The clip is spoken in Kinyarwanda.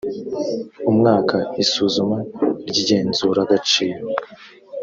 umwaka isuzuma ry igenzuragaciro